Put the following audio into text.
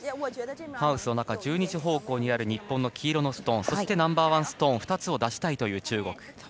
ハウスの中１２時方向にある日本のストーンそして、ナンバーワンストーンの２つを出したいという中国。